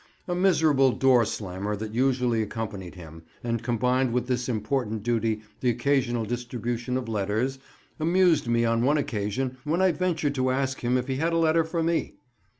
A miserable door slammer that usually accompanied him, and combined with this important duty the occasional distribution of letters, amused me on one occasion when I ventured to ask him if he had a letter for me.